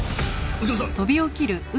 右京さん！